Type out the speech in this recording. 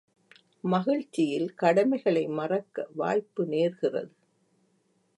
மகிழ்ச்சியில் கடமைகளை மறக்க வாய்ப்பு நேர்கிறது.